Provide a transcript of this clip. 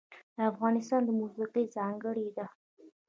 د افغانستان موسیقی ځانګړې ده